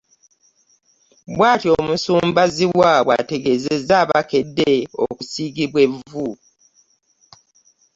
Bw'atyo Omusumba Zziwa bw'ategeezezza abakedde okusiigibwa evvu.